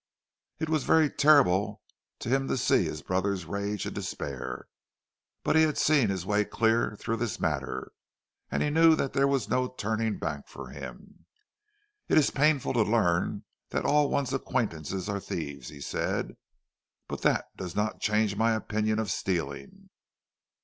It was very terrible to him to see his brother's rage and despair; but he had seen his way clear through this matter, and he knew that there was no turning back for him. "It is painful to learn that all one's acquaintances are thieves," he said. "But that does not change my opinion of stealing."